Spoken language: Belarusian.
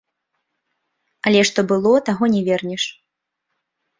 Але што было, таго не вернеш.